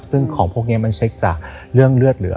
ซึ่งของพวกนี้มันเช็คจากเรื่องเลือดเหลือ